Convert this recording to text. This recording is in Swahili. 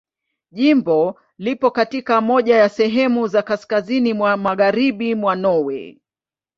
Jimbo lipo katika moja ya sehemu za kaskazini mwa Magharibi mwa Norwei.